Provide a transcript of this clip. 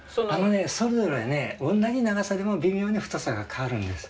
それぞれ同じ長さでも微妙に太さが変わるんです。